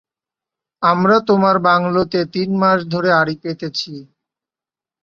আমরা তোমার বাংলোতে তিন মাস ধরে আড়ি পেতেছি।